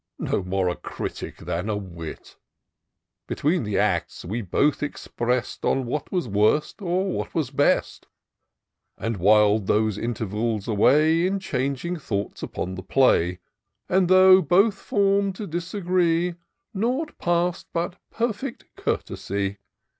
No more a critic than a wit ! Between the acts we both exprest Or what was worst, or what was best ; IN SEARCH OF THE PICTURESQUE. 303 And whil'd those intervals away In changing thoughts upon the play ; And, though both form'd to disagree, Nought pass'd but perfect courtesy.